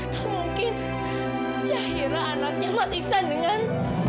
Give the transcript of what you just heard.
atau mungkin cahira anaknya mas iksan dengan